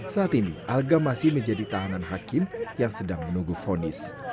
saat ini alga masih menjadi tahanan hakim yang sedang menunggu vonis